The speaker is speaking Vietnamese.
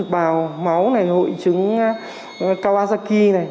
bào máu này hội chứng kawasaki này